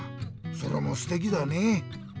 それもすてきだね。